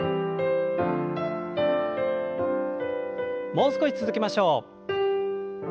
もう少し続けましょう。